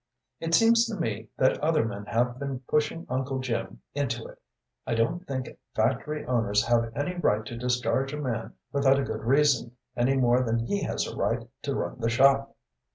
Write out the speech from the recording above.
It seems to me that other men have been pushing Uncle Jim into it. I don't think factory owners have any right to discharge a man without a good reason, any more than he has a right to run the shop."